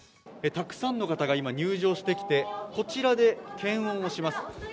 たくさんの方が今、入場してきてこちらで検温をします。